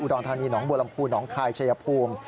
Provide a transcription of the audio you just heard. อุตรอนทานีน้องบวลำคูน้องคายชัยภูมิ